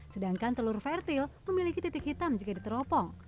sedangkan telur vertil memiliki titik hitam jika diteropong